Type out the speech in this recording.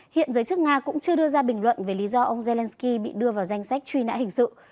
hiện giới chức nga cũng chưa đưa ra bình luận về lý do ông zelensky bị đưa vào danh sách truy nã hình sự